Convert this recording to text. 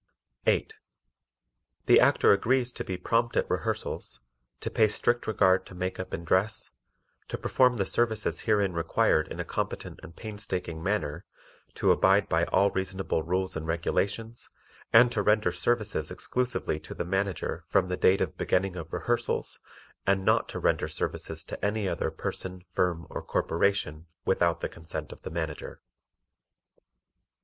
Duties of the Actor 8. The Actor agrees to be prompt at rehearsals, to pay strict regard to makeup and dress, to perform the services herein required in a competent and painstaking manner to abide by all reasonable rules and regulations, and to render services exclusively to the Manager from the date of beginning of rehearsals, and not to render services to any other person, firm or corporation without the consent of the Manager.